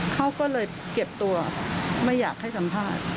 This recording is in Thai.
เขาก็เลยเก็บตัวไม่อยากให้สัมภาษณ์